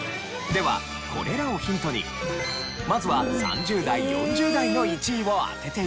ではこれらをヒントにまずは３０代４０代の１位を当てて頂きます。